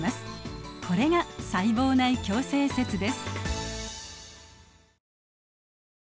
これが細胞内共生説です。